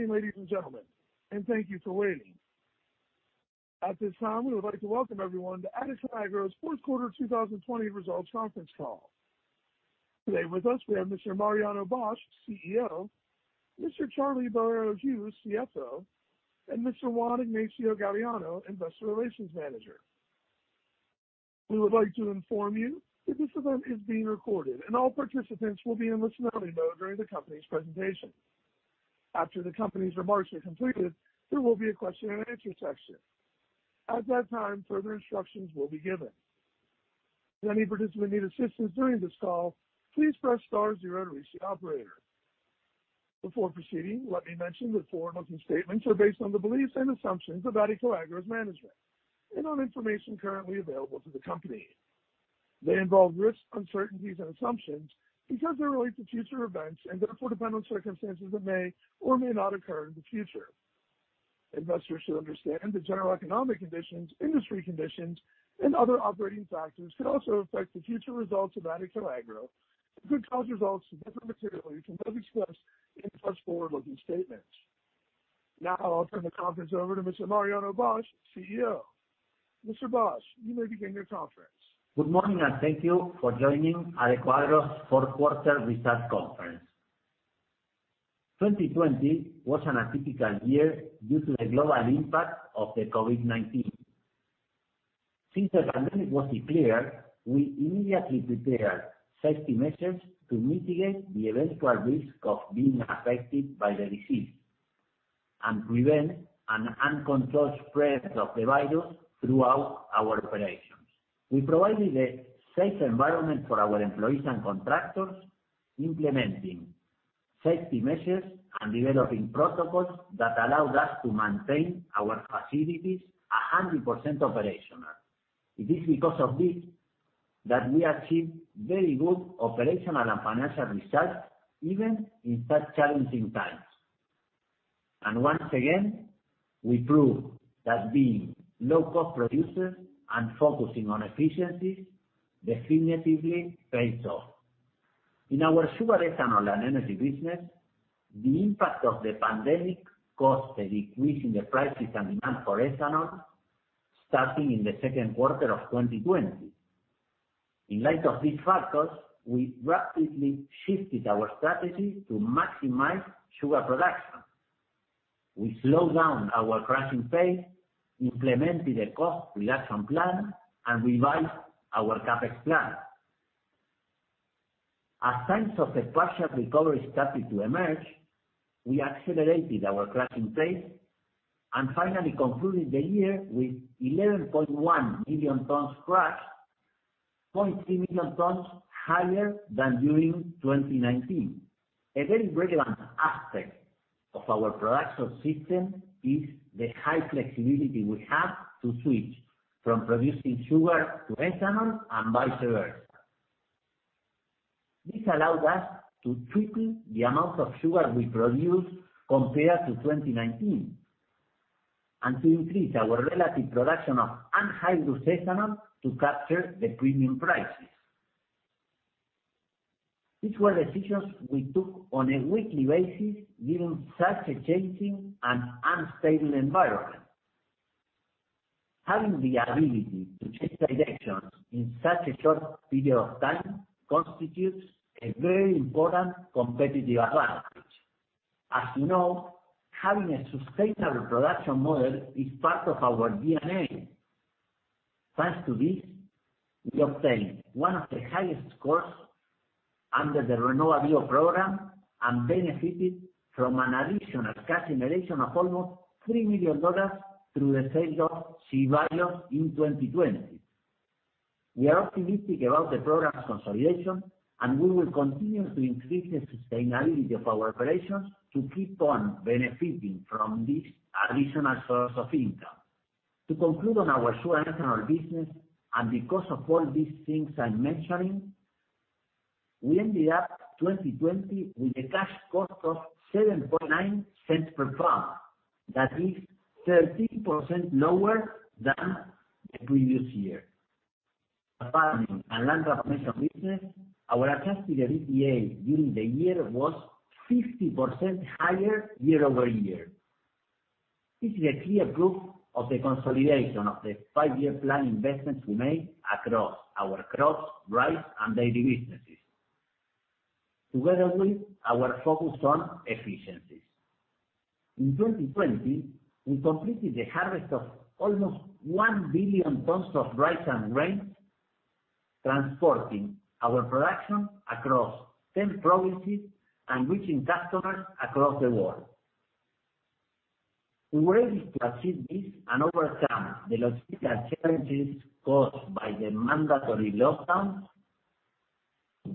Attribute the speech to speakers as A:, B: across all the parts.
A: Good morning, ladies and gentlemen, and thank you for waiting. At this time, we would like to welcome everyone to Adecoagro's fourth quarter 2020 results conference call. Today with us, we have Mr. Mariano Bosch, CEO, Mr. Carlos Boero Hughes, CFO, and Mr. Juan Ignacio Galleano, Investor Relations Manager. We would like to inform you that this event is being recorded, and all participants will be in listen-only mode during the company's presentation. After the company's remarks are completed, there will be a question and answer session. At that time, further instructions will be given. If any participant needs assistance during this call, please press star zero to reach the operator. Before proceeding, let me mention that forward-looking statements are based on the beliefs and assumptions of Adecoagro's management and on information currently available to the company. They involve risks, uncertainties, and assumptions because they relate to future events and therefore depend on circumstances that may or may not occur in the future. Investors should understand that general economic conditions, industry conditions, and other operating factors could also affect the future results of Adecoagro and could cause results to differ materially from those expressed in such forward-looking statements. I'll turn the conference over to Mr. Mariano Bosch, CEO. Mr. Bosch, you may begin your conference.
B: Good morning. Thank you for joining Adecoagro's fourth quarter results conference. 2020 was an atypical year due to the global impact of the COVID-19. Since the pandemic was declared, we immediately prepared safety measures to mitigate the eventual risk of being affected by the disease and prevent an uncontrolled spread of the virus throughout our operations. We provided a safe environment for our employees and contractors, implementing safety measures and developing protocols that allowed us to maintain our facilities 100% operational. It is because of this that we achieved very good operational and financial results, even in such challenging times. Once again, we proved that being low-cost producers and focusing on efficiencies definitively pays off. In our sugar, ethanol, and energy business, the impact of the pandemic caused a decrease in the prices and demand for ethanol, starting in the second quarter of 2020. In light of these factors, we rapidly shifted our strategy to maximize sugar production. We slowed down our crushing pace, implemented a cost reduction plan, and revised our CapEx plan. As signs of a partial recovery started to emerge, we accelerated our crushing pace and finally concluded the year with 11.1 million tons crushed, 0.3 million tons higher than during 2019. A very relevant aspect of our production system is the high flexibility we have to switch from producing sugar to ethanol and vice versa. This allowed us to triple the amount of sugar we produced compared to 2019 and to increase our relative production of anhydrous ethanol to capture the premium prices. These were decisions we took on a weekly basis, given such a changing and unstable environment. Having the ability to change directions in such a short period of time constitutes a very important competitive advantage. As you know, having a sustainable production model is part of our DNA. Thanks to this, we obtained one of the highest scores under the RenovaBio program and benefited from an additional cash generation of almost $3 million through the sale of CBIO in 2020. We are optimistic about the program's consolidation, and we will continue to increase the sustainability of our operations to keep on benefiting from this additional source of income. To conclude on our sugar ethanol business, and because of all these things I'm mentioning, we ended up 2020 with a cash cost of $0.079 per pound. That is 13% lower than the previous year. In our farming and land transformation business, our adjusted EBITDA during the year was 50% higher year-over-year. This is a clear proof of the consolidation of the five-year plan investments we made across our crops, rice, and dairy businesses, together with our focus on efficiencies. In 2020, we completed the harvest of almost 1 billion tons of rice and grain, transporting our production across 10 provinces and reaching customers across the world. We were able to achieve this and overcome the logistical challenges caused by the mandatory lockdowns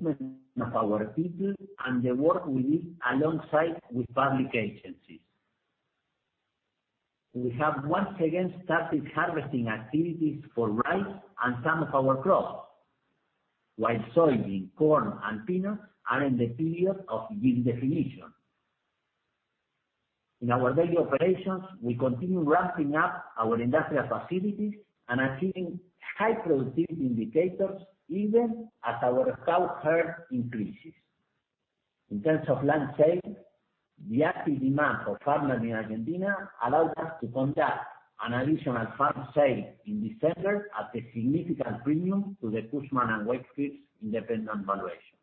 B: because of our people and the work we did alongside with public agencies. We have once again started harvesting activities for rice and some of our crops, while soybean, corn, and peanuts are in the period of yield definition. In our daily operations, we continue ramping up our industrial facilities and achieving high productivity indicators even as our cow herd increases. In terms of land sales, the active demand for farmland in Argentina allowed us to conduct an additional farm sale in December at a significant premium to the Cushman & Wakefield's independent valuation.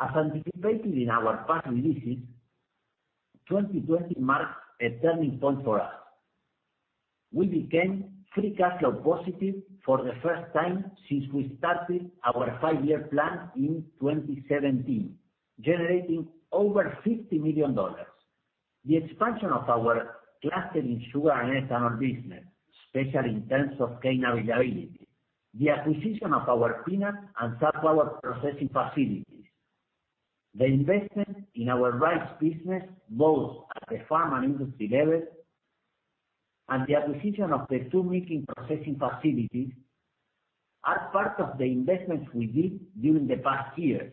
B: As anticipated in our past releases, 2020 marked a turning point for us. We became free cash flow positive for the first time since we started our five-year plan in 2017, generating over $50 million. The expansion of our cluster in sugar and ethanol business, especially in terms of cane availability, the acquisition of our peanut and sunflower processing facilities, the investment in our rice business, both at the farm and industry level, and the acquisition of the two milling processing facilities, are part of the investments we did during the past years.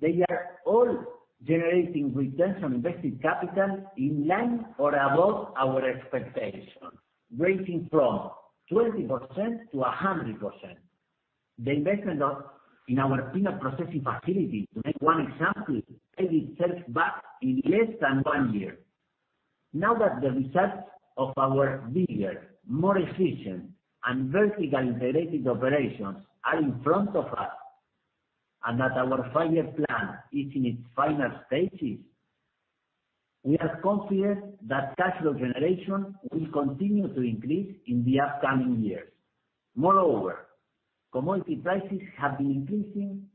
B: They are all generating returns on invested capital in line or above our expectation, ranging from 20%-100%. The investment in our peanut processing facility, to make one example, paid itself back in less than one year. Now that the results of our bigger, more efficient, and vertically integrated operations are in front of us, and that our five-year plan is in its final stages, we are confident that cash flow generation will continue to increase in the upcoming years. Commodity prices have been increasing,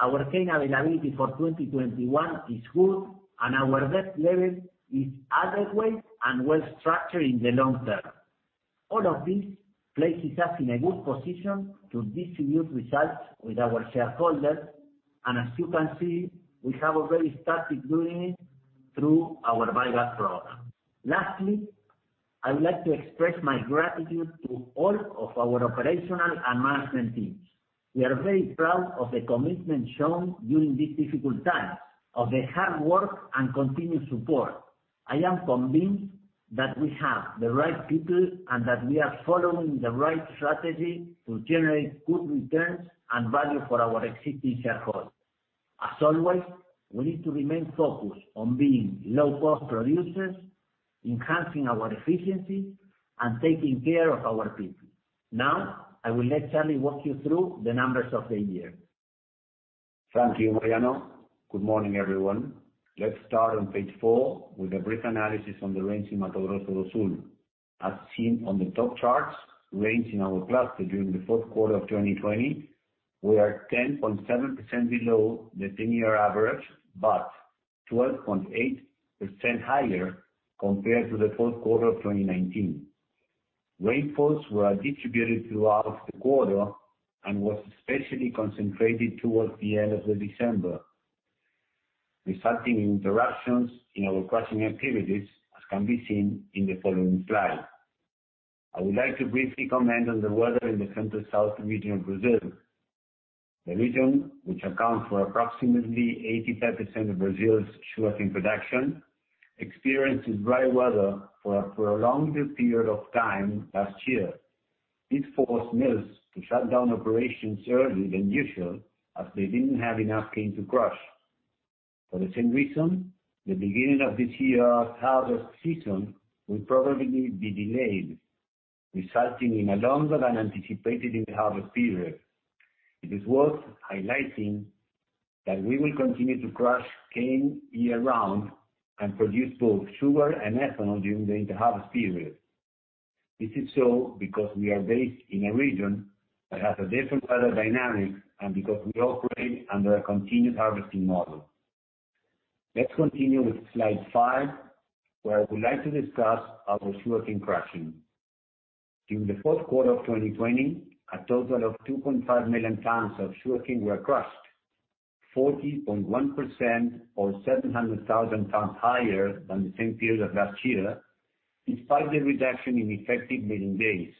B: our cane availability for 2021 is good, and our debt level is adequate and well structured in the long term. All of this places us in a good position to distribute results with our shareholders. As you can see, we have already started doing it through our buyback program. Lastly, I would like to express my gratitude to all of our operational and management teams. We are very proud of the commitment shown during these difficult times, of the hard work, and continued support. I am convinced that we have the right people and that we are following the right strategy to generate good returns and value for our existing shareholders. As always, we need to remain focused on being low-cost producers, enhancing our efficiency, and taking care of our people. Now, I will let Charlie walk you through the numbers of the year.
C: Thank you, Mariano. Good morning, everyone. Let's start on page four with a brief analysis on the rains in Mato Grosso do Sul. As seen on the top charts, rains in our cluster during the fourth quarter of 2020 were 10.7% below the 10-year average, but 12.8% higher compared to the fourth quarter of 2019. Rainfalls were distributed throughout the quarter and was especially concentrated towards the end of the December, resulting in interruptions in our crushing activities, as can be seen in the following slide. I would like to briefly comment on the weather in the Center-South Region of Brazil. The region, which accounts for approximately 85% of Brazil's sugarcane production, experienced dry weather for a prolonged period of time last year. It forced mills to shut down operations earlier than usual, as they didn't have enough cane to crush. For the same reason, the beginning of this year's harvest season will probably be delayed, resulting in a longer than anticipated inter-harvest period. It is worth highlighting that we will continue to crush cane year-round and produce both sugar and ethanol during the inter-harvest period. This is so because we are based in a region that has a different weather dynamic and because we operate under a continued harvesting model. Let's continue with slide five, where I would like to discuss our sugarcane crushing. During the fourth quarter of 2020, a total of 2.5 million tons of sugarcane were crushed, 40.1% or 700,000 tons higher than the same period of last year, despite the reduction in effective milling days.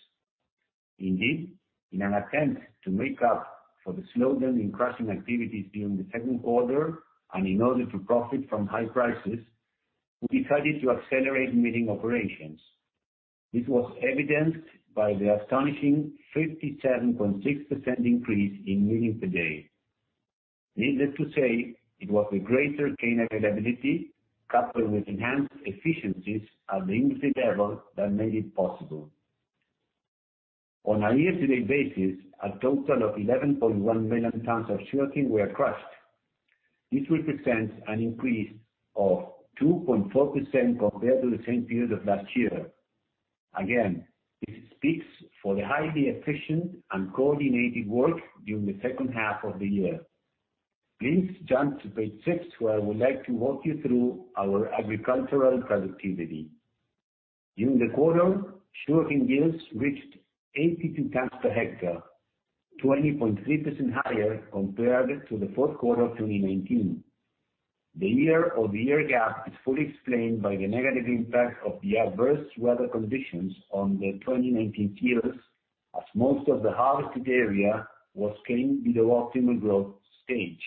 C: Indeed, in an attempt to make up for the slowdown in crushing activities during the second quarter and in order to profit from high prices, we decided to accelerate milling operations. This was evidenced by the astonishing 57.6% increase in milling per day. Needless to say, it was the greater cane availability, coupled with enhanced efficiencies at the industry level that made it possible. On a year-to-date basis, a total of 11.1 million tons of sugarcane were crushed. This represents an increase of 2.4% compared to the same period of last year. Again, this speaks for the highly efficient and coordinated work during the second half of the year. Please jump to page six, where I would like to walk you through our agricultural productivity. During the quarter, sugarcane yields reached 82 tons per hectare, 20.3% higher compared to the fourth quarter of 2019. The year-over-year gap is fully explained by the negative impact of the adverse weather conditions on the 2019 fields, as most of the harvested area was cane below optimal growth stage.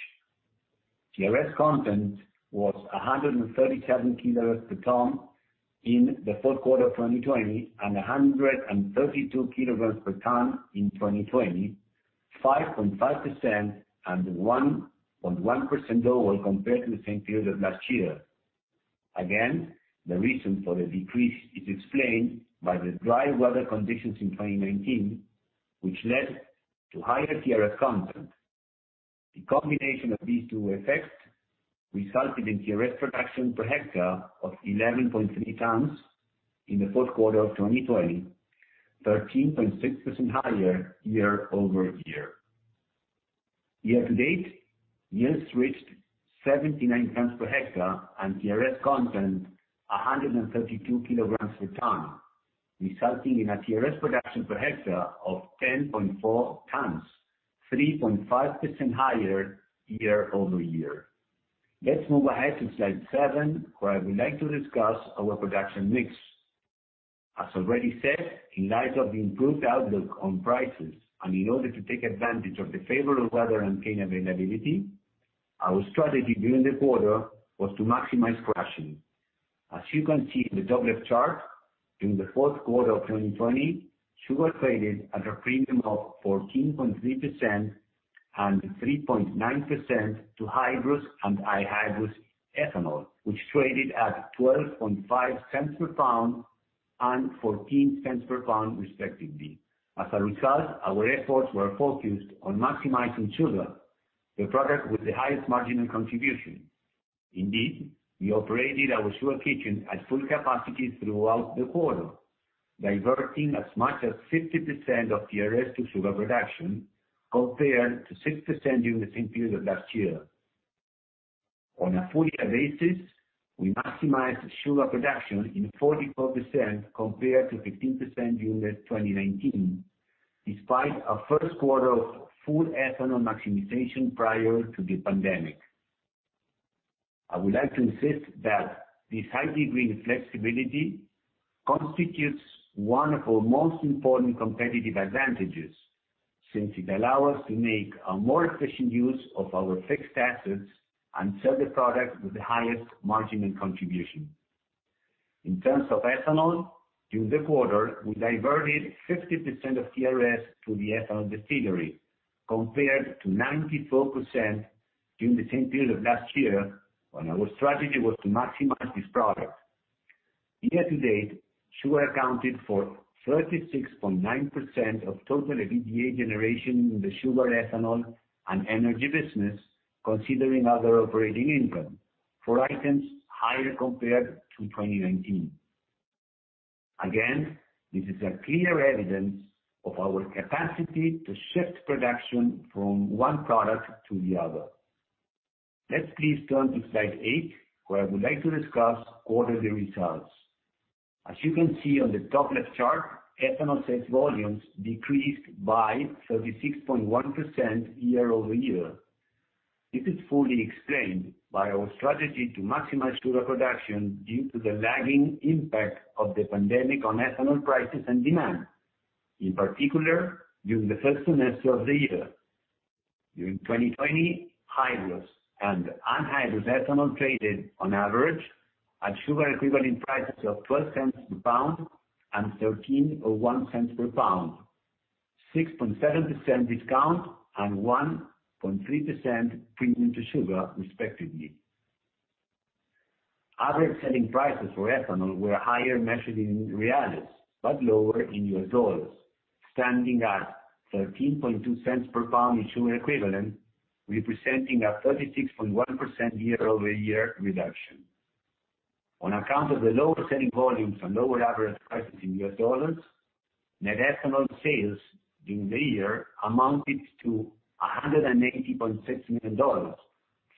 C: TRS content was 137 kilos per ton in the Q4 2020 and 132 kilograms per ton in 2020, 5.5% and 1.1% overall compared to the same period last year. Again, the reason for the decrease is explained by the dry weather conditions in 2019, which led to higher TRS content. The combination of these two effects resulted in TRS production per hectare of 11.3 tons in the Q4 2020, 13.6% higher year-over-year. Year to date, yields reached 79 tons per hectare and TRS content 132 kilograms per ton, resulting in a TRS production per hectare of 10.4 tons, 3.5% higher year-over-year. Let's move ahead to slide seven, where I would like to discuss our production mix. As already said, in light of the improved outlook on prices and in order to take advantage of the favorable weather and cane availability, our strategy during the quarter was to maximize crushing. As you can see in the top left chart, during the fourth quarter of 2020, sugar traded at a premium of 14.3% and 3.9% to hydrous and anhydrous ethanol, which traded at $0.125 per pound and $0.14 per pound respectively. As a result, our efforts were focused on maximizing sugar, the product with the highest marginal contribution. Indeed, we operated our sugar kitchen at full capacity throughout the quarter, diverting as much as 50% of TRS to sugar production, compared to 6% during the same period last year. On a full year basis, we maximized sugar production in 44% compared to 15% during 2019, despite our first quarter of full ethanol maximization prior to the pandemic. I would like to insist that this high degree of flexibility constitutes one of our most important competitive advantages, since it allow us to make a more efficient use of our fixed assets and sell the product with the highest marginal contribution. In terms of ethanol, during the quarter, we diverted 50% of TRS to the ethanol distillery, compared to 94% during the same period last year, when our strategy was to maximize this product. Year to date, sugar accounted for 36.9% of total EBITDA generation in the sugar, ethanol, and energy business, considering other operating income, four items higher compared to 2019. Again, this is a clear evidence of our capacity to shift production from one product to the other. Let's please turn to slide eight, where I would like to discuss quarterly results. As you can see on the top left chart, ethanol sales volumes decreased by 36.1% year-over-year. This is fully explained by our strategy to maximize sugar production due to the lagging impact of the pandemic on ethanol prices and demand, in particular, during the first semester of the year. During 2020, hydrous and anhydrous ethanol traded on average at sugar equivalent prices of $0.12 per pound and $0.131 per pound, 6.7% discount and 1.3% premium to sugar respectively. Average selling prices for ethanol were higher measured in BRL, but lower in USD, standing at $0.132 per pound in sugar equivalent, representing a 36.1% year-over-year reduction. On account of the lower selling volumes and lower average prices in US dollars, net ethanol sales during the year amounted to $180.6 million,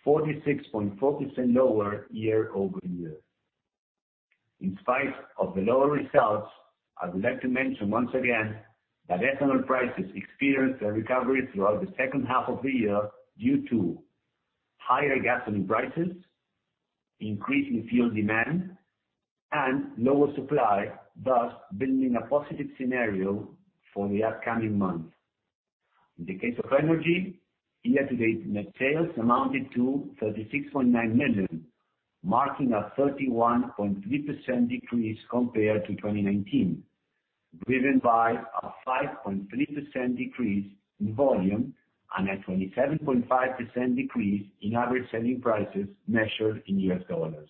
C: 46.4% lower year-over-year. In spite of the lower results, I would like to mention once again that ethanol prices experienced a recovery throughout the second half of the year due to higher gasoline prices, increase in fuel demand, and lower supply, thus building a positive scenario for the upcoming months. In the case of energy, year-to-date net sales amounted to $36.9 million, marking a 31.3% decrease compared to 2019, driven by a 5.3% decrease in volume and a 27.5% decrease in average selling prices measured in US dollars.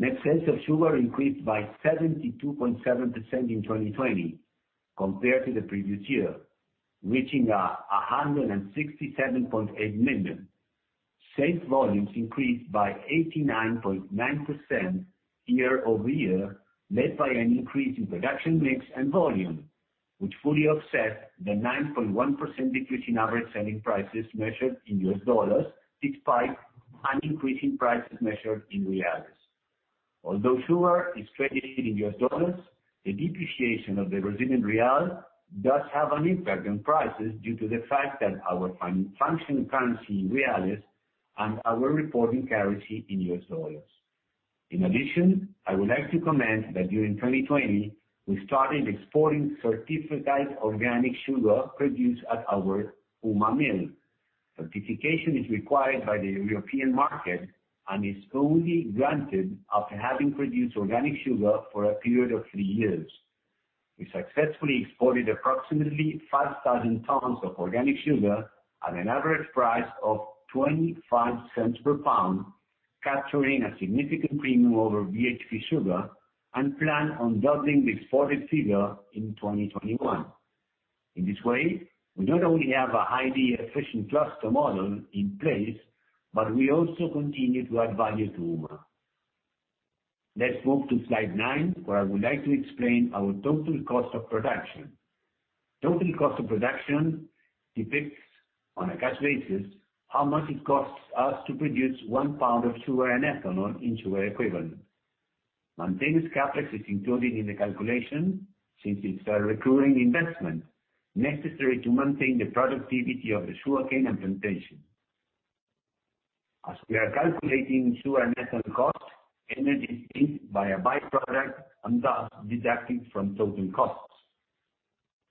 C: Net sales of sugar increased by 72.7% in 2020 compared to the previous year, reaching $167.8 million. Sales volumes increased by 89.9% year-over-year, led by an increase in production mix and volume, which fully offset the 9.1% decrease in average selling prices measured in US dollars, despite an increase in prices measured in BRL. Although sugar is traded in US dollars, the depreciation of the Brazilian real does have an impact on prices due to the fact that our functional currency in BRL and our reporting currency in US dollars. In addition, I would like to comment that during 2020, we started exporting certified organic sugar produced at our Umuarama mill. Certification is required by the European market and is only granted after having produced organic sugar for a period of three years. We successfully exported approximately 5,000 tons of organic sugar at an average price of $0.25 per pound, capturing a significant premium over VHP sugar, and plan on doubling the exported figure in 2021. In this way, we not only have a highly efficient cluster model in place, but we also continue to add value to sugar. Let's move to slide nine, where I would like to explain our total cost of production. Total cost of production depicts, on a cash basis, how much it costs us to produce one pound of sugar and ethanol in sugar equivalent. Maintenance CapEx is included in the calculation, since it's a recurring investment necessary to maintain the productivity of the sugarcane plantation. As we are calculating sugar and ethanol costs, energy is seen by a by-product and thus deducted from total costs.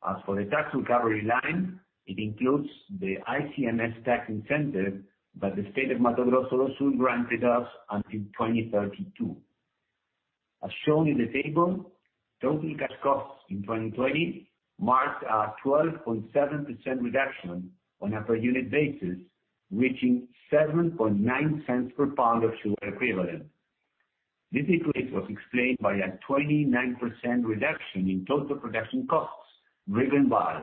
C: As for the tax recovery line, it includes the ICMS tax incentive that the state of Mato Grosso do Sul granted us until 2032. As shown in the table, total cash costs in 2020 marked a 12.7% reduction on a per unit basis, reaching $0.079 per pound of sugar equivalent. This increase was explained by a 29% reduction in total production costs, driven by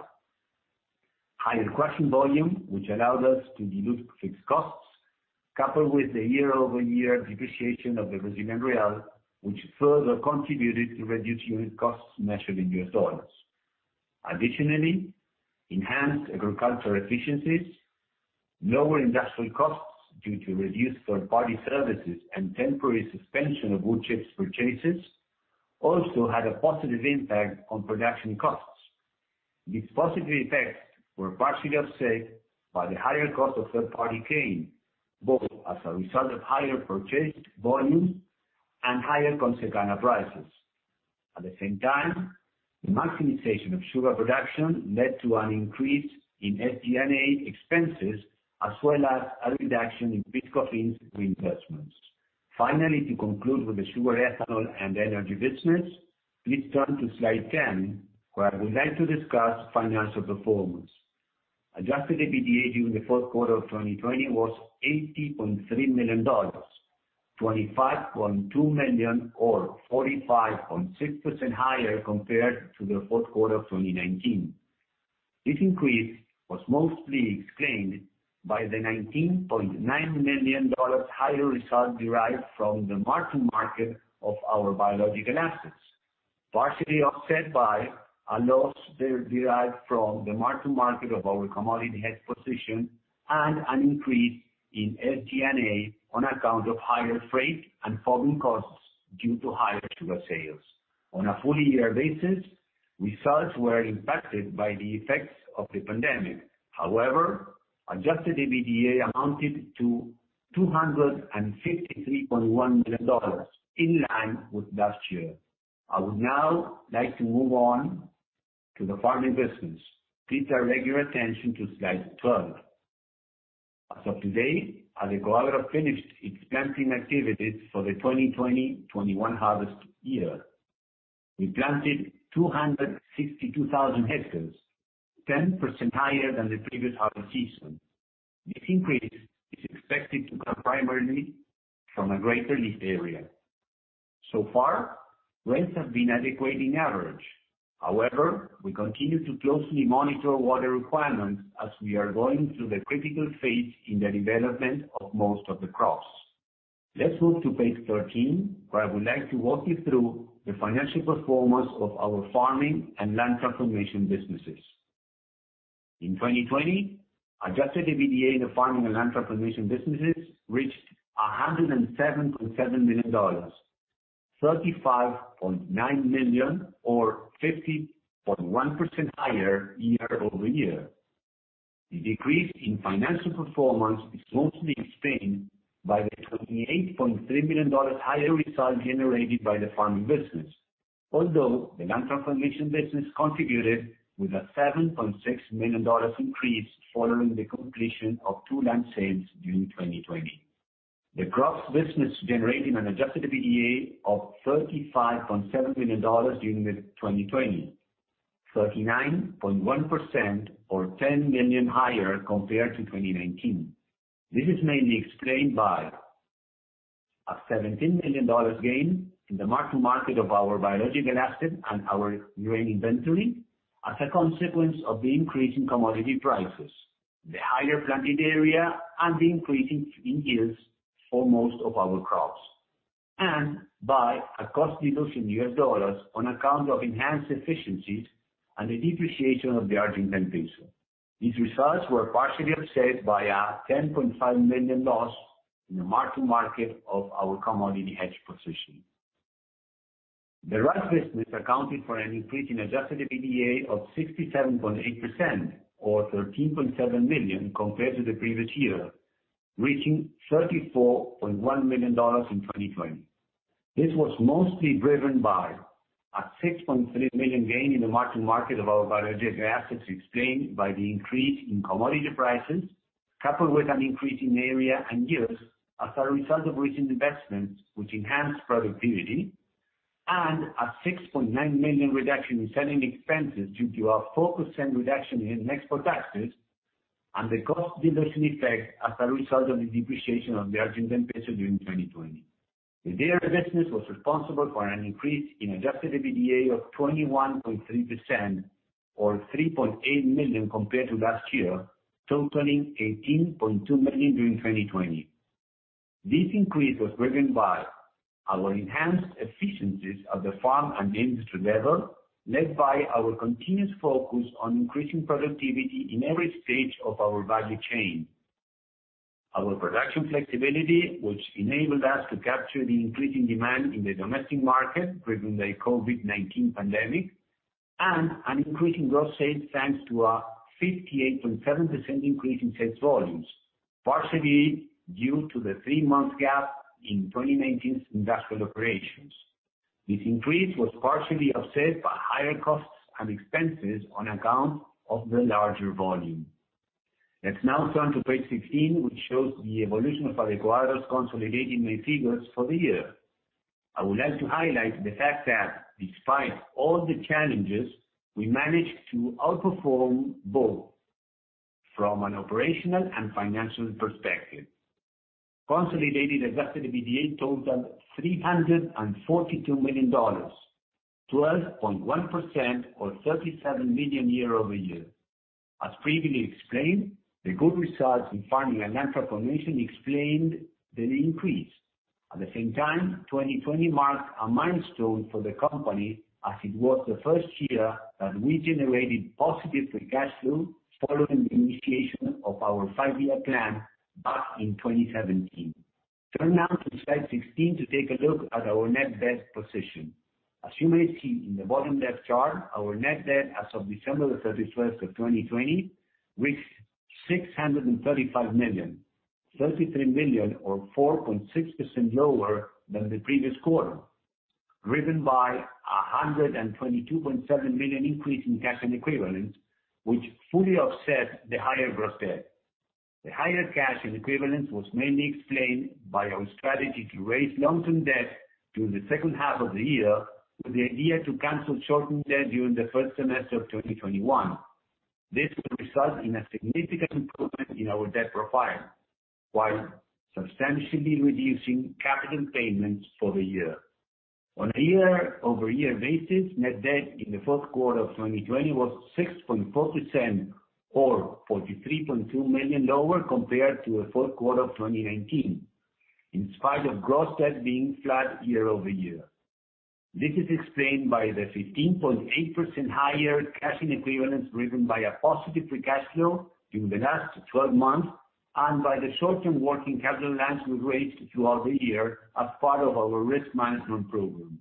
C: higher crushing volume, which allowed us to dilute fixed costs, coupled with the year-over-year depreciation of the Brazilian real, which further contributed to reduced unit costs measured in US dollars. Additionally, enhanced agricultural efficiencies, lower industrial costs due to reduced third-party services, and temporary suspension of wood chips purchases also had a positive impact on production costs. These positive effects were partially offset by the higher cost of third-party cane, both as a result of higher purchased volume and higher Consecana prices. At the same time, the maximization of sugar production led to an increase in SG&A expenses, as well as a reduction in PIS/COFINS reimbursements. Finally, to conclude with the Sugar, Ethanol, and Energy Business, please turn to slide 10, where I would like to discuss financial performance. Adjusted EBITDA during the fourth quarter of 2020 was $80.3 million, $25.2 million or 45.6% higher compared to the fourth quarter of 2019. This increase was mostly explained by the $19.9 million higher result derived from the mark-to-market of our biological assets, partially offset by a loss derived from the mark-to-market of our commodity hedge position and an increase in SG&A on account of higher freight and farming costs due to higher sugar sales. On a full year basis, results were impacted by the effects of the pandemic. Adjusted EBITDA amounted to $253.1 million, in line with last year. I would now like to move on to the farming business. Please direct your attention to slide 12. As of today, Adecoagro finished its planting activities for the 2020-21 harvest year. We planted 262,000 ha, 10% higher than the previous harvest season. This increase is expected to come primarily from a greater leased area. So far, rains have been adequate in average. However, we continue to closely monitor water requirements as we are going through the critical phase in the development of most of the crops. Let's move to page 13, where I would like to walk you through the financial performance of our farming and land transformation businesses. In 2020, adjusted EBITDA in the farming and land transformation businesses reached $107.7 million, $35.9 million or 50.1% higher year-over-year. The increase in financial performance is mostly explained by the $28.3 million higher result generated by the farming business. Although the land transformation business contributed with a $7.6 million increase following the completion of two land sales during 2020. The crops business generated an adjusted EBITDA of $35.7 million during 2020, 39.1% or $10 million higher compared to 2019. This is mainly explained by a $17 million gain in the mark-to-market of our biological asset and our grain inventory as a consequence of the increase in commodity prices, the higher planted area, and the increase in yields for most of our crops, and by a cost reduction in U.S. dollars on account of enhanced efficiencies and the depreciation of the Argentine peso. These results were partially offset by a $10.5 million loss in the mark-to-market of our commodity hedge position. The rice business accounted for an increase in adjusted EBITDA of 67.8% or $13.7 million compared to the previous year, reaching $34.1 million in 2020. This was mostly driven by a $6.3 million gain in the mark-to-market of our biological assets, explained by the increase in commodity prices, coupled with an increase in area and yields as a result of recent investments, which enhanced productivity, and a $6.9 million reduction in selling expenses due to our focus and reduction in export taxes, and the cost dilution effect as a result of the depreciation of the Argentine peso during 2020. The dairy business was responsible for an increase in adjusted EBITDA of 21.3%, or $3.8 million compared to last year, totaling $18.2 million during 2020. This increase was driven by our enhanced efficiencies at the farm and industry level, led by our continuous focus on increasing productivity in every stage of our value chain. Our production flexibility, which enabled us to capture the increasing demand in the domestic market driven by COVID-19 pandemic, and an increase in gross sales thanks to our 58.7% increase in sales volumes, partially due to the three-month gap in 2019's industrial operations. This increase was partially offset by higher costs and expenses on account of the larger volume. Let's now turn to page 16, which shows the evolution of Adecoagro's consolidated main figures for the year. I would like to highlight the fact that despite all the challenges, we managed to outperform both from an operational and financial perspective. Consolidated adjusted EBITDA totaled $342 million, 12.1% or $37 million year-over-year. As previously explained, the good results in farming and agricultural leasing explained the increase. At the same time, 2020 marked a milestone for the company as it was the first year that we generated positive free cash flow following the initiation of our five-year plan back in 2017. Turn now to slide 16 to take a look at our net debt position. As you may see in the bottom left chart, our net debt as of December 31st, 2020, reached $635 million, $33 million or 4.6% lower than the previous quarter, driven by $122.7 million increase in cash and equivalents, which fully offset the higher gross debt. The higher cash and equivalents was mainly explained by our strategy to raise long-term debt during the second half of the year, with the idea to cancel short-term debt during the first semester of 2021. This will result in a significant improvement in our debt profile while substantially reducing capital payments for the year. On a year-over-year basis, net debt in the fourth quarter of 2020 was 6.4% or $43.2 million lower compared to the fourth quarter of 2019, in spite of gross debt being flat year-over-year. This is explained by the 15.8% higher cash and equivalents driven by a positive free cash flow during the last 12 months and by the short-term working capital loans we raised throughout the year as part of our risk management program.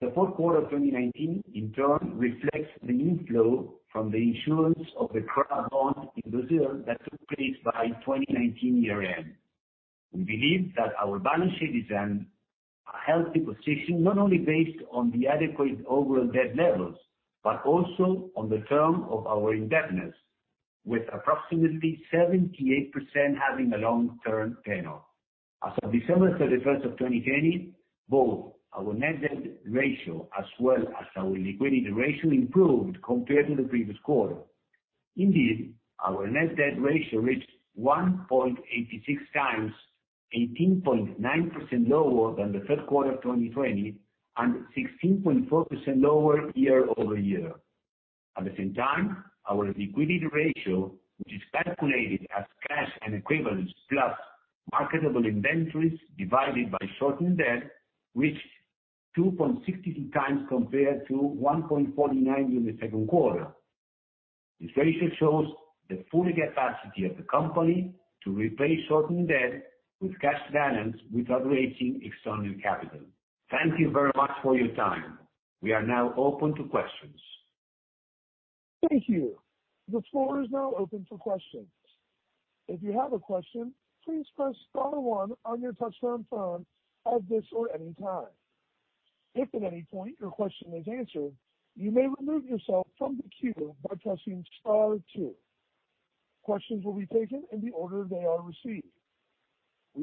C: The fourth quarter of 2019, in turn, reflects the inflow from the insurance of the CRA bond in Brazil that took place by 2019 year end. We believe that our balance sheet is in a healthy position, not only based on the adequate overall debt levels, but also on the term of our indebtedness, with approximately 78% having a long-term tenure. As of December 31st of 2020, both our net debt ratio as well as our liquidity ratio improved compared to the previous quarter. Indeed, our net debt ratio reached 1.86x, 18.9% lower than the third quarter of 2020 and 16.4% lower year-over-year. At the same time, our liquidity ratio, which is calculated as cash and equivalents plus marketable inventories divided by short-term debt, reached 2.62 x compared to 1.49 during the second quarter. This ratio shows the full capacity of the company to repay short-term debt with cash balance without raising external capital. Thank you very much for your time. We are now open to questions.
A: Thank you. The floor is now open for questions. If you have a question please press star one on your touchtone phone at this hour any time. If at any point your question you may remove yourself from the queue by pressing star two. Questions will be taken in the order as they are received. [inaudible]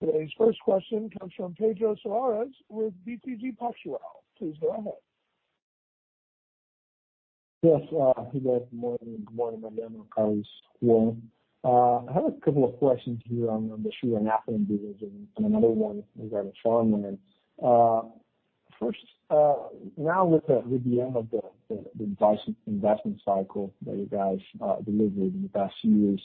A: Today's first question comes from Pedro Soares with BTG Pactual. Please go ahead.
D: Yes. Pedro. Good morning. Good morning, Mariano, Carlos. Juan. I have a couple of questions here on the sugar and ethanol division and another one regarding farmland. Now with the end of the investment cycle that you guys delivered in the past few years,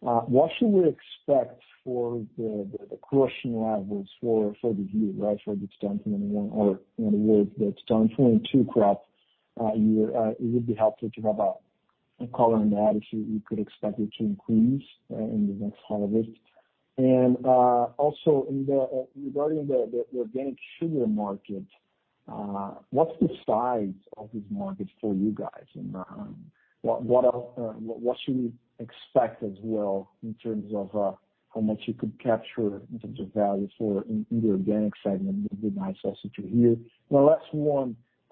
D: what should we expect for the crushing levels for the year? For the 2021 or, in other words, the 2022 crop year, it would be helpful to have a color on that, if you could expect it to increase in the next harvest. Also regarding the organic sugar market, what's the size of this market for you guys? What should we expect as well in terms of how much you could capture in terms of value for in the organic segment, it'd be nice also to hear.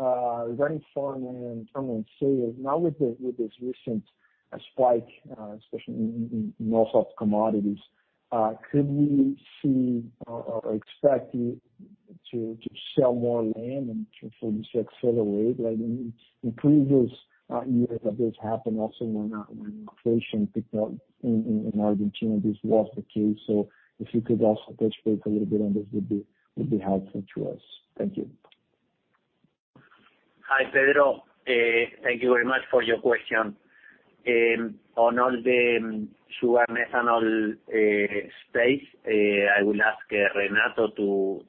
D: The last one, regarding farmland and permanent sales. With this recent spike, especially in north of commodities, could we see or expect you to sell more land and for this to accelerate, like in previous years that this happened also when inflation picked up in Argentina, this was the case. If you could also touch base a little bit on this, would be helpful to us. Thank you.
B: Hi, Pedro. Thank you very much for your question. On all the sugar and ethanol space, I will ask Renato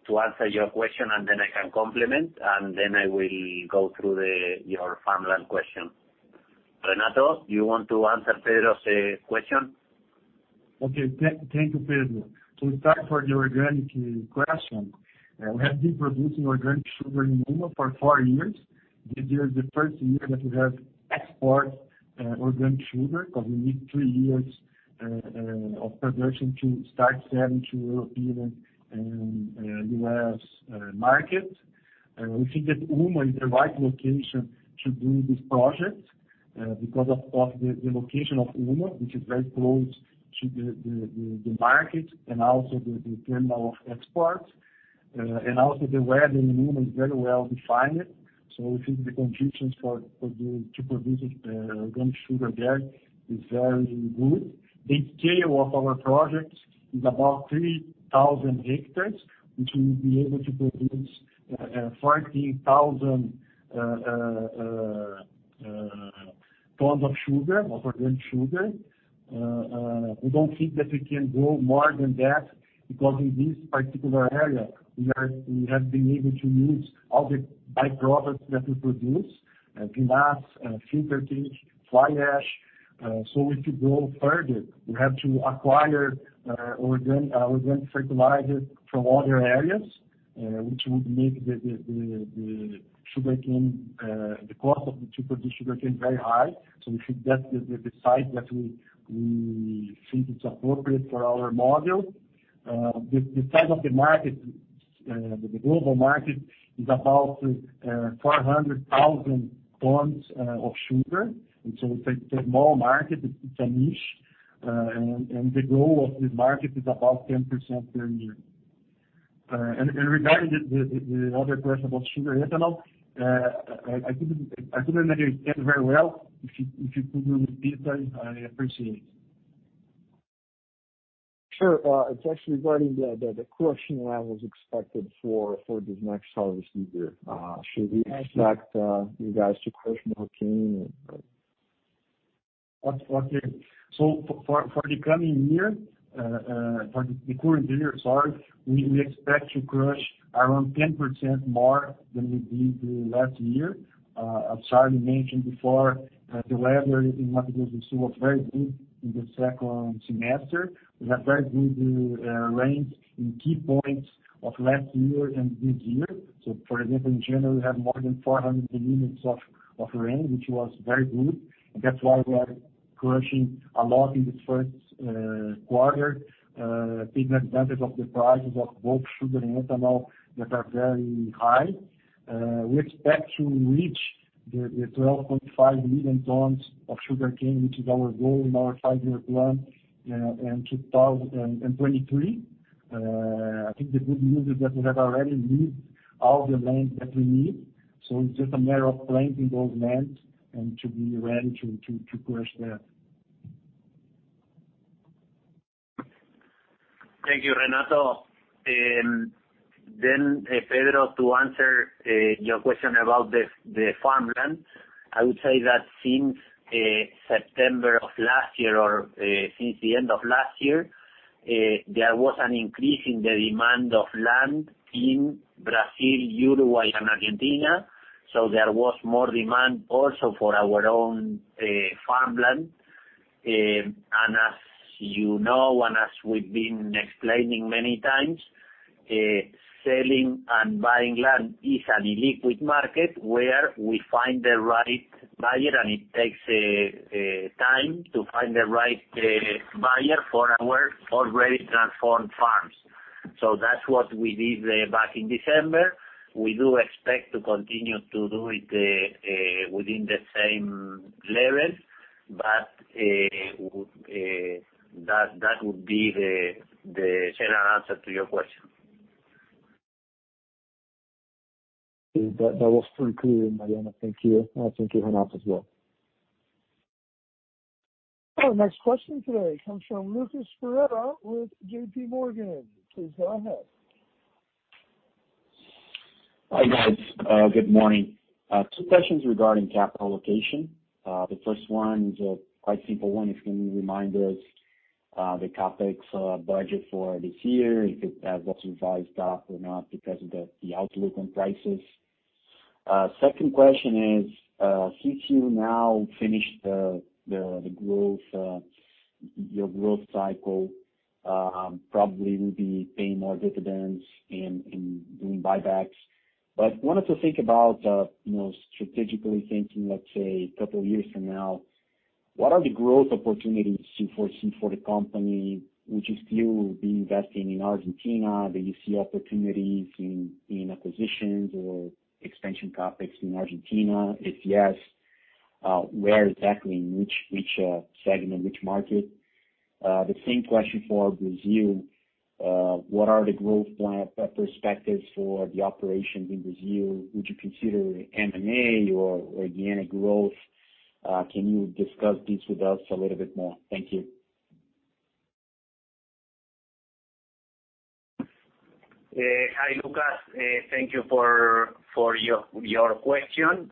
B: to answer your question, and then I can complement, and then I will go through your farmland question. Renato, do you want to answer Pedro's question?
E: Okay. Thank you, Pedro. To start for the organic question, we have been producing organic sugar in Umuarama for four years. This year is the first year that we have export organic sugar, because we need three years of conversion to start selling to European and U.S. market. Also the weather in Umuarama is very well defined. We think the conditions to produce organic sugar there is very good. The scale of our project is about 3,000 ha, which will be able to produce 14,000 tons of organic sugar. We don't think that we can grow more than that because in this particular area, we have been able to use all the by-products that we produce, vinasse, filter cake, fly ash. If you go further, we have to acquire organic fertilizer from other areas, which would make the cost of the sugarcane very high. We think that's the size that we think it's appropriate for our model. The size of the global market is about 400,000 tons of sugar, and so it's a small market. It's a niche. The growth of this market is about 10% per year. Regarding the other question about sugar ethanol, I couldn't understand very well. If you could repeat that, I appreciate it.
D: Sure. It's actually regarding the crushing that was expected for this next harvest year. Should we expect you guys to crush more cane?
E: Okay. For the current year, we expect to crush around 10% more than we did the last year. As Carlos mentioned before, the weather in Mato Grosso do Sul was very good in the second semester. We had very good rain in key points of last year and this year. For example, in January, we had more than 400 mm of rain, which was very good. That's why we are crushing a lot in the first quarter, taking advantage of the prices of both sugar and ethanol that are very high. We expect to reach the 12.5 million tons of sugarcane, which is our goal in our five year plan in 2023. I think the good news is that we have already leased all the land that we need. It's just a matter of planting those lands and to be ready to crush that.
B: Thank you, Renato. Pedro, to answer your question about the farmland, I would say that since September of last year or since the end of last year, there was an increase in the demand of land in Brazil, Uruguay, and Argentina. There was more demand also for our own farmland. As you know and as we've been explaining many times, selling and buying land is an illiquid market where we find the right buyer, and it takes time to find the right buyer for our already transformed farms. That's what we did back in December. We do expect to continue to do it within the same level. That would be the general answer to your question.
D: That was pretty clear, Mariano. Thank you, and thank you, Renato, as well.
A: Our next question today comes from Lucas Ferreira with J.P. Morgan. Please go ahead.
F: Hi, guys. Good morning. Two questions regarding capital allocation. The first one is a quite simple one. Can you remind us the CapEx budget for this year, if it has also revised up or not because of the outlook on prices. Second question is, since you now finished your growth cycle, probably will be paying more dividends and doing buybacks. Wanted to think about strategically thinking, let's say, a couple of years from now, what are the growth opportunities for the company? Would you still be investing in Argentina? Do you see opportunities in acquisitions or expansion CapEx in Argentina? If yes, where exactly, in which segment, which market? The same question for Brazil. What are the growth perspectives for the operations in Brazil? Would you consider M&A or organic growth? Can you discuss this with us a little bit more? Thank you.
B: Hi, Lucas. Thank you for your question.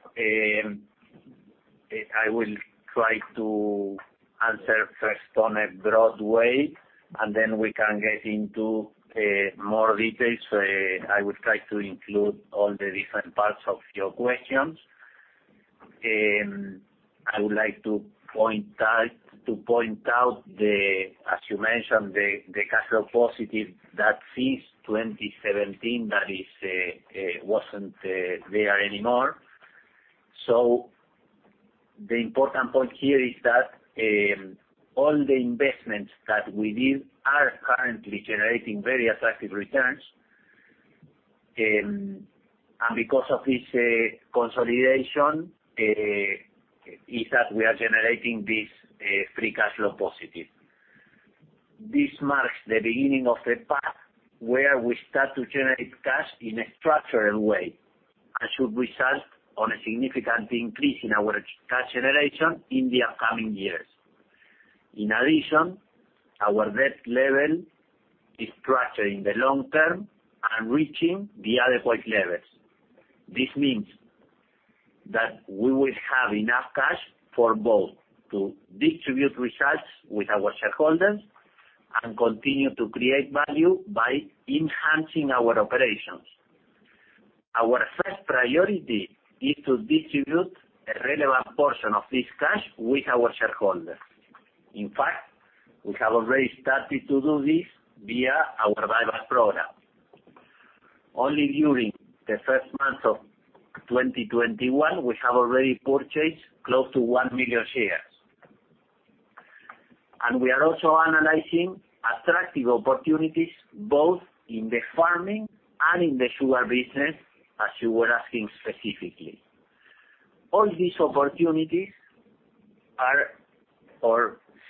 B: I will try to answer first on a broad way, and then we can get into more details. I will try to include all the different parts of your questions. I would like to point out, as you mentioned, the cash flow positive that since 2017 that wasn't there anymore. The important point here is that all the investments that we did are currently generating very attractive returns. Because of this consolidation, is that we are generating this free cash flow positive. This marks the beginning of the path where we start to generate cash in a structural way, and should result on a significant increase in our cash generation in the upcoming years. In addition, our debt level is structured in the long term and reaching the adequate levels. This means that we will have enough cash for both to distribute results with our shareholders and continue to create value by enhancing our operations. Our first priority is to distribute a relevant portion of this cash with our shareholders. In fact, we have already started to do this via our buyback program. Only during the first month of 2021, we have already purchased close to 1 million shares. We are also analyzing attractive opportunities both in the farming and in the sugar business, as you were asking specifically. All these opportunities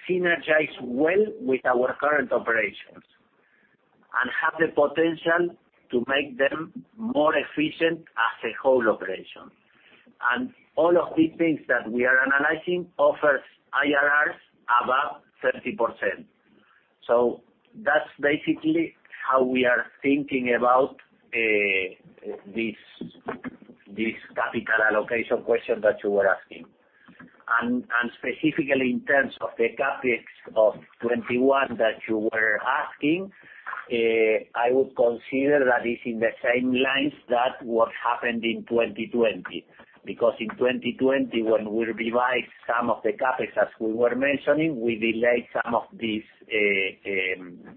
B: synergize well with our current operations and have the potential to make them more efficient as a whole operation. All of these things that we are analyzing offers IRRs above 30%. That's basically how we are thinking about this capital allocation question that you were asking. Specifically in terms of the CapEx of 2021 that you were asking, I would consider that is in the same lines that what happened in 2020. In 2020, when we revised some of the CapEx, as we were mentioning, we delayed some of this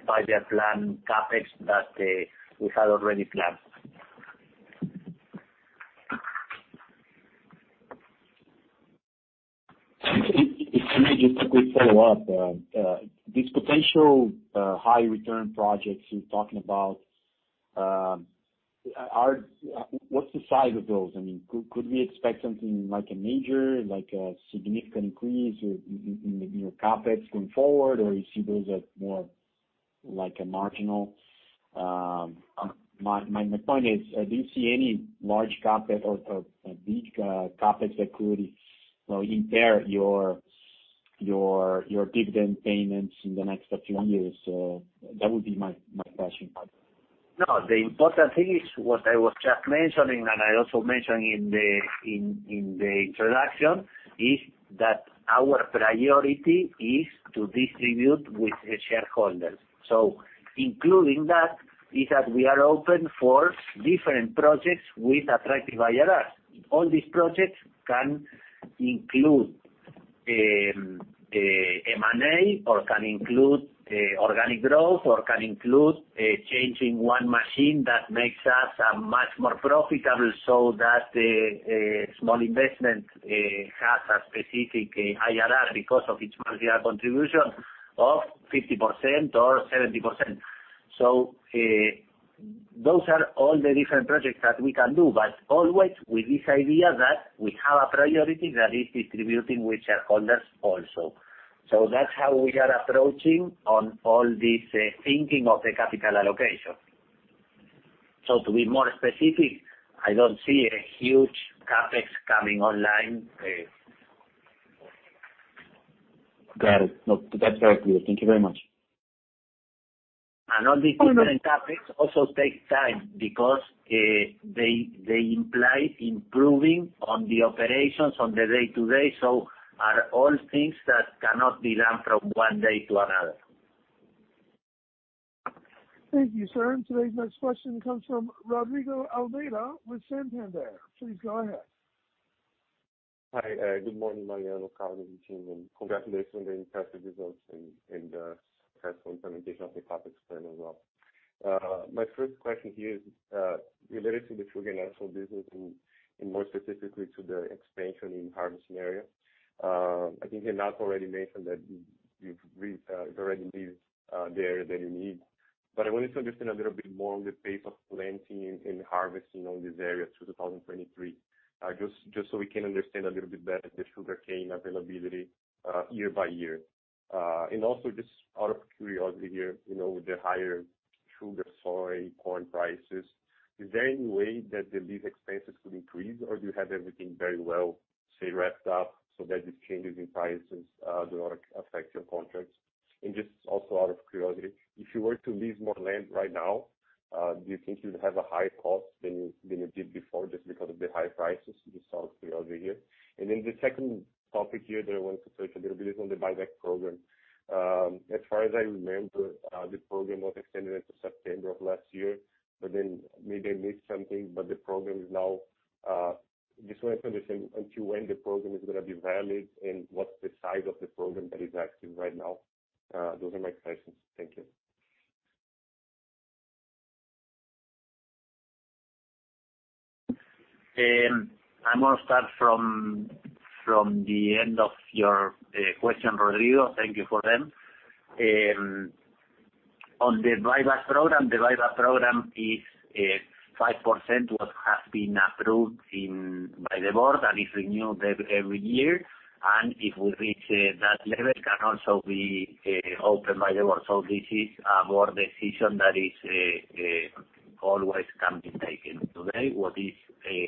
B: five-year plan CapEx that we had already planned.
F: Excuse me, just a quick follow-up. These potential high return projects you're talking about, what's the size of those? Could we expect something like a major, significant increase in your CapEx going forward? My point is, do you see any large CapEx or big CapEx that could impair your dividend payments in the next few years? That would be my question.
B: No, the important thing is what I was just mentioning, and I also mentioned in the introduction, is that our priority is to distribute with the shareholders. Including that, is that we are open for different projects with attractive IRRs. All these projects can include M&A or can include organic growth, or can include changing one machine that makes us much more profitable so that the small investment has a specific IRR because of its marginal contribution of 50% or 70%. Those are all the different projects that we can do, but always with this idea that we have a priority that is distributing with shareholders also. That's how we are approaching on all this thinking of the capital allocation. To be more specific, I don't see a huge CapEx coming online.
F: Got it. No, that's very clear. Thank you very much.
B: All these different topics also take time because they imply improving on the operations on the day-to-day. Are all things that cannot be done from one day to another.
A: Thank you, sir. Today's next question comes from Rodrigo Almeida with Santander. Please go ahead.
G: Hi. Good morning, Mariano, Carlos, and team, and congratulations on the impressive results and successful implementation of the CapEx as well. My first question here is related to the sugar and alcohol business and more specifically to the expansion in harvest area. I think Renato already mentioned that you've already leased the area that you need. I wanted to understand a little bit more on the pace of planting and harvesting on these areas through 2023, just so we can understand a little bit better the sugarcane availability year by year. Also, just out of curiosity here, with the higher sugar, soy, corn prices, is there any way that the lease expenses could increase, or do you have everything very well wrapped up so that these changes in prices do not affect your contracts? Just also out of curiosity, if you were to lease more land right now, do you think you would have a higher cost than you did before just because of the high prices? Just out of curiosity here. The second topic here that I want to touch a little bit is on the buyback program. As far as I remember, the program was extended into September of last year, maybe I missed something, just want to understand until when the program is going to be valid and what's the size of the program that is active right now. Those are my questions. Thank you.
B: I'm going to start from the end of your question, Rodrigo. Thank you for them. On the buyback program, the buyback program is 5% what has been approved by the board, and it's renewed every year. If we reach that level, it can also be opened by the board. This is a board decision that always can be taken. Today, what is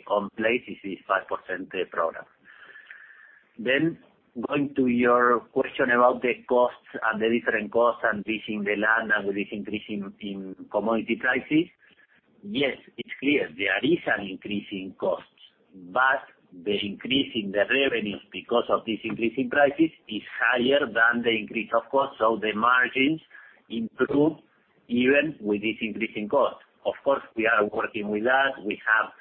B: on place is this 5% program. Going to your question about the costs and the different costs and leasing the land and with this increase in commodity prices. Yes, it's clear there is an increase in costs, but the increase in the revenues because of this increase in prices is higher than the increase of cost, so the margins improve even with this increase in cost. Of course, we are working with that. We have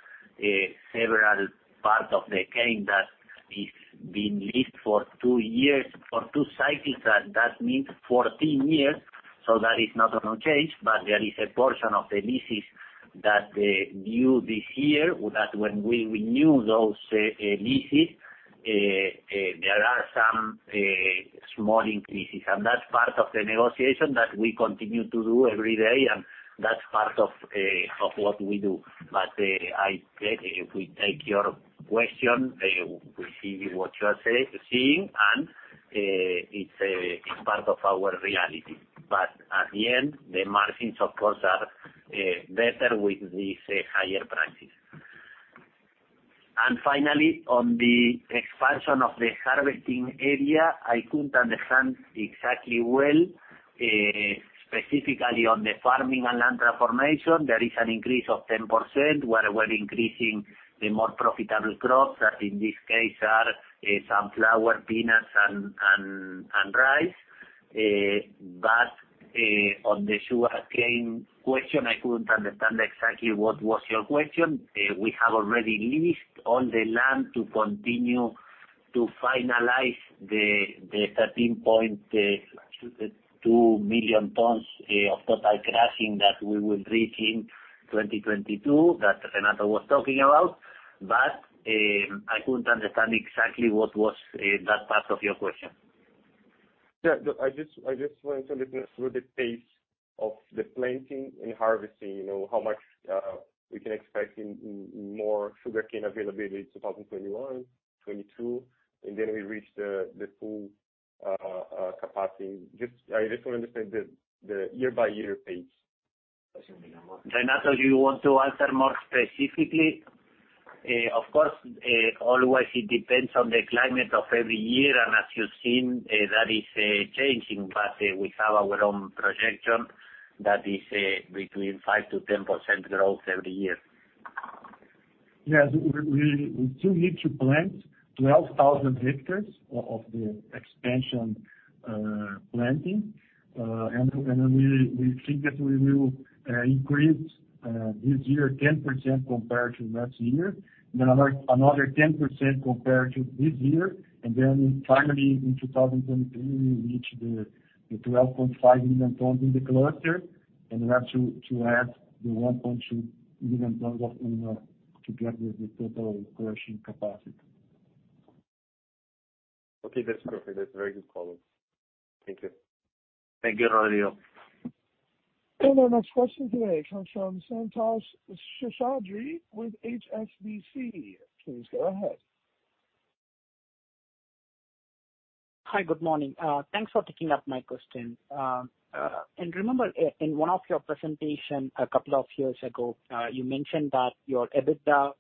B: several parts of the cane that is being leased for two years, for two cycles, and that means 14 years. That is not going to change, but there is a portion of the leases that they view this year, that when we renew those leases, there are some small increases. That's part of the negotiation that we continue to do every day, and that's part of what we do. If we take your question, we see what you are seeing, and it's part of our reality. At the end, the margins, of course, are better with these higher prices. Finally, on the expansion of the harvesting area, I couldn't understand exactly well, specifically on the farming and land transformation, there is an increase of 10% where we're increasing the more profitable crops that in this case are sunflower, peanuts, and rice. On the sugarcane question, I couldn't understand exactly what was your question. We have already leased all the land to continue to finalize the 13.2 million tons of total crushing that we will reach in 2022 that Renato was talking about. I couldn't understand exactly what was that part of your question.
G: Yeah. I just wanted to listen through the pace of the planting and harvesting, how much we can expect in more sugarcane availability in 2021, 2022, and then we reach the full capacity. I just want to understand the year by year pace.
B: Renato, do you want to answer more specifically? Of course, always it depends on the climate of every year. As you've seen, that is changing. We have our own projection that is between 5%-10% growth every year.
E: Yes. We still need to plant 12,000 ha of the expansion planting. We think that we will increase this year 10% compared to last year, then another 10% compared to this year. Then finally in 2023, we reach the 12.5 million tons in the cluster, and we have to add the 1.2 million tons of to get the total crushing capacity.
G: Okay. That's perfect. That's a very good follow-up. Thank you.
B: Thank you, Rodrigo.
A: Our next question today comes from Santhosh Seshadri with HSBC. Please go ahead.
H: Hi. Good morning. Thanks for taking up my question. I remember in one of your presentation a couple of years ago, you mentioned that your EBITDA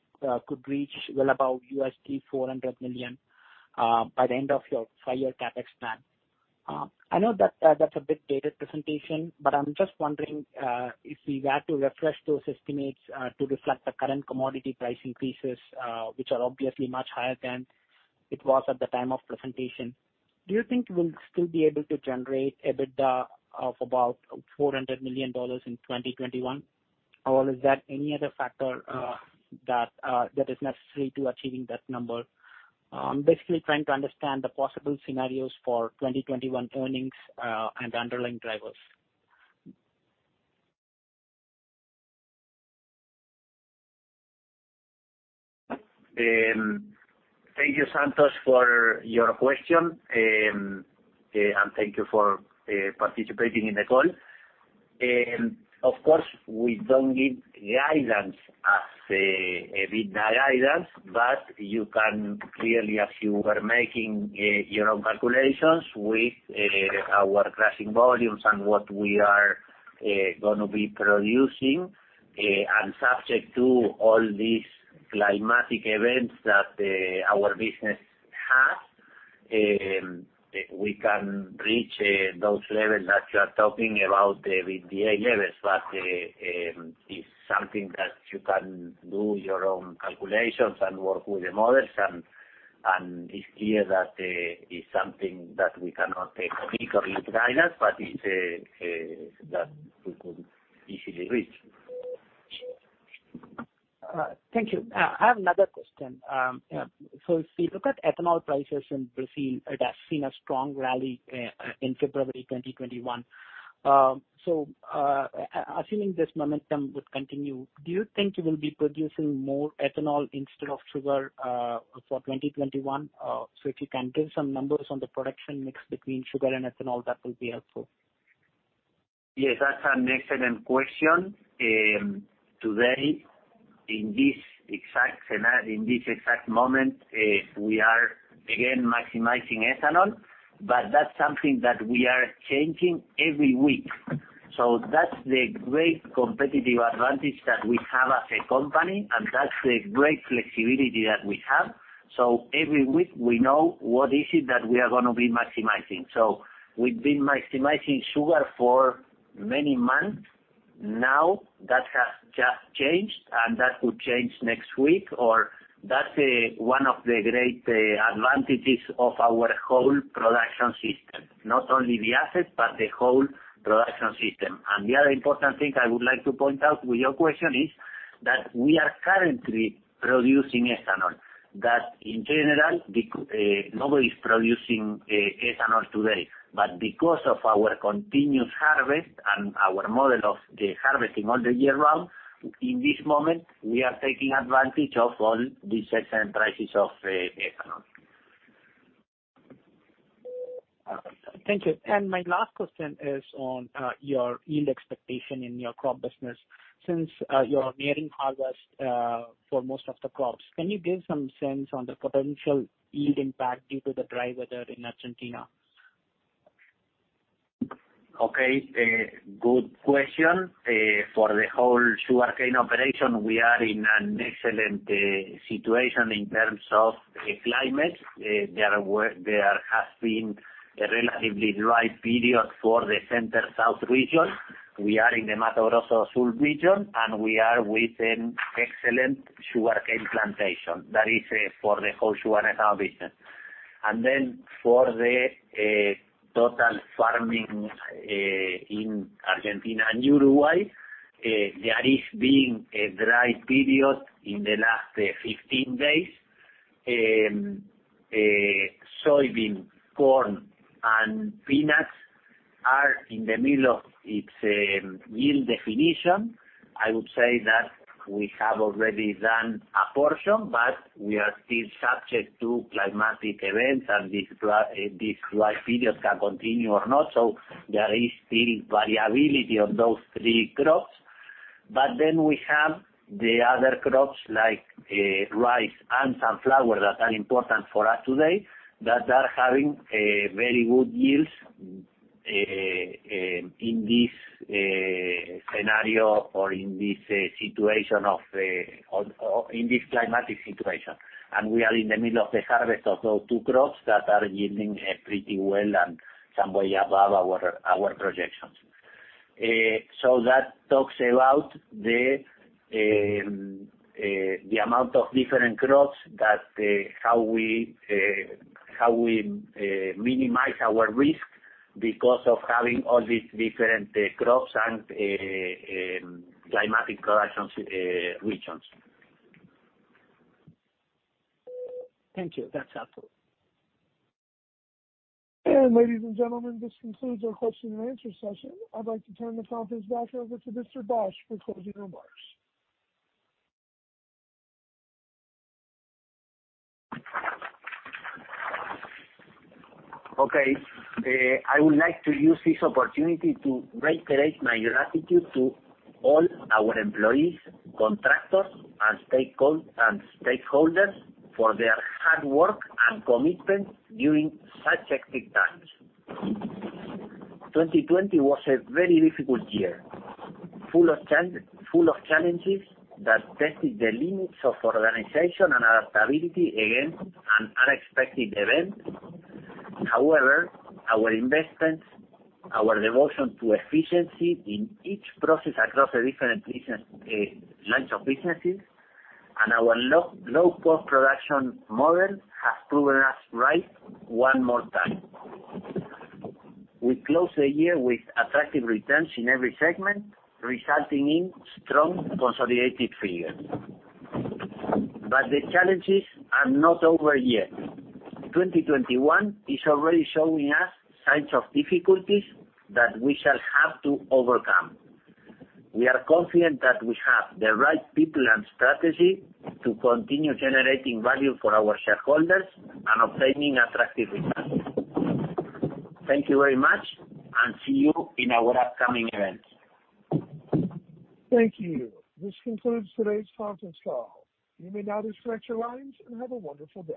H: could reach well above $400 million, by the end of your five year CapEx plan. I know that's a bit dated presentation, but I'm just wondering if we had to refresh those estimates to reflect the current commodity price increases, which are obviously much higher than it was at the time of presentation, do you think you will still be able to generate EBITDA of about $400 million in 2021? Is there any other factor that is necessary to achieving that number? I'm basically trying to understand the possible scenarios for 2021 earnings and underlying drivers.
B: Thank you, Santhosh, for your question, and thank you for participating in the call. Of course, we don't give guidance as EBITDA guidance. You can clearly, as you were making your own calculations with our crushing volumes and what we are going to be producing, and subject to all these climatic events that our business has, we can reach those levels that you are talking about, the EBITDA levels. It's something that you can do your own calculations and work with the models, and it's clear that it's something that we cannot take publicly to guidance, but it's something that we could easily reach.
H: Thank you. I have another question. If we look at ethanol prices in Brazil, it has seen a strong rally in February 2021. Assuming this momentum would continue, do you think you will be producing more ethanol instead of sugar for 2021? If you can give some numbers on the production mix between sugar and ethanol, that will be helpful.
B: Yes, that's an excellent question. Today, in this exact moment, we are again maximizing ethanol, that's something that we are changing every week. That's the great competitive advantage that we have as a company, that's the great flexibility that we have. Every week, we know what is it that we are going to be maximizing. We've been maximizing sugar for many months. Now, that has just changed, that could change next week. That's one of the great advantages of our whole production system, not only the assets, but the whole production system. The other important thing I would like to point out with your question is that we are currently producing ethanol. That in general, nobody is producing ethanol today. Because of our continuous harvest and our model of the harvesting all the year round, in this moment, we are taking advantage of all these excellent prices of ethanol.
H: Thank you. My last question is on your yield expectation in your crop business. Since you're nearing harvest for most of the crops, can you give some sense on the potential yield impact due to the dry weather in Argentina?
B: Okay. Good question. For the whole sugarcane operation, we are in an excellent situation in terms of climate. There has been a relatively dry period for the center south region. We are in the Mato Grosso do Sul region, and we are with an excellent sugarcane plantation. That is for the whole sugar and ethanol business. For the total farming in Argentina and Uruguay, there has been a dry period in the last 15 days. Soybean, corn, and peanuts are in the middle of its yield definition. I would say that we have already done a portion, but we are still subject to climatic events, and these dry periods can continue or not. There is still variability on those three crops. We have the other crops like rice and sunflower that are important for us today, that are having very good yields in this climatic situation. We are in the middle of the harvest of those two crops that are yielding pretty well and some way above our projections. That talks about the amount of different crops, that how we minimize our risk because of having all these different crops and climatic regions.
H: Thank you. That's helpful.
A: Ladies and gentlemen, this concludes our question and answer session. I'd like to turn the conference back over to Mr. Bosch for closing remarks.
B: Okay. I would like to use this opportunity to reiterate my gratitude to all our employees, contractors, and stakeholders for their hard work and commitment during such hectic times. 2020 was a very difficult year, full of challenges that tested the limits of organization and adaptability against an unexpected event. Our investments, our devotion to efficiency in each process across the different lines of businesses, and our low-cost production model have proven us right one more time. We close the year with attractive returns in every segment, resulting in strong consolidated figures. The challenges are not over yet. 2021 is already showing us signs of difficulties that we shall have to overcome. We are confident that we have the right people and strategy to continue generating value for our shareholders and obtaining attractive returns. Thank you very much, and see you in our upcoming events.
A: Thank you. This concludes today's conference call. You may now disconnect your lines, and have a wonderful day.